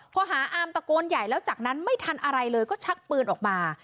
พอหาอามตะโกนใหญ่แล้วจากนั้นไม่ทันอะไรเลยก็ชักปืนออกมา